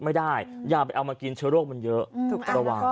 ไม่ได้อย่าไปเอามากินเชื้อโรคมันเยอะ